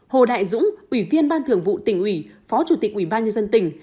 hồ đại dũng ủy viên ban thường vụ tỉnh ủy phó chủ tịch ủy ban nhân dân tỉnh